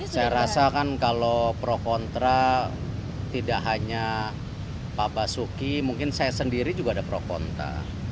saya rasa kan kalau pro kontra tidak hanya pak basuki mungkin saya sendiri juga ada pro kontra